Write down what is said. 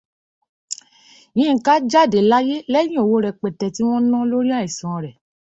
Yínká jáde láyé lẹ́yìn owó rẹpẹtẹ tí wọn ná lórí àìsàn rẹ̀.